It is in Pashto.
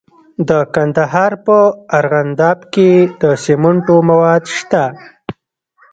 د کندهار په ارغنداب کې د سمنټو مواد شته.